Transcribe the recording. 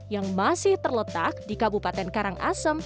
yang masih terletak di kabupaten karangasem